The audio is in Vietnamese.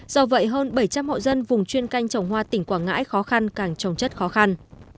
do vậy hơn bảy trăm linh hộ dân vùng chuyên canh trồng hoa tỉnh quảng ngãi khó khăn càng trồng chất khó khăn